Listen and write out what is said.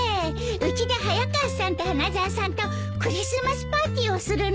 うちで早川さんと花沢さんとクリスマスパーティーをするの。